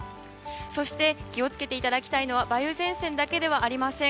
そして気を付けていただきたいのは梅雨前線だけではありません。